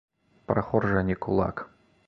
Прахор жа не кулак.